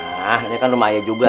hah ini kan rumah ayah juga